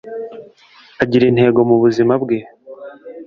agira intego mu buzima bwe